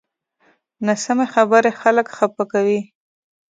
ناسمې خبرې خلک خفه کوي